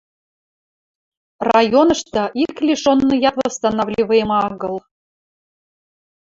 Районышты ик лишенныят восстанавливайымы агыл.